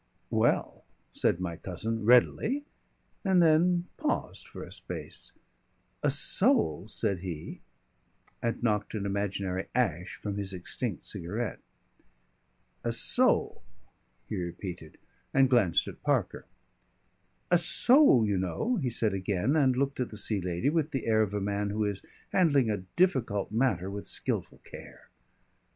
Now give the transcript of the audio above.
"Well," said my cousin readily, and then paused for a space. "A soul," said he, and knocked an imaginary ash from his extinct cigarette. "A soul," he repeated, and glanced at Parker. "A soul, you know," he said again, and looked at the Sea Lady with the air of a man who is handling a difficult matter with skilful care.